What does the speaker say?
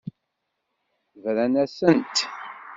Bran-asent.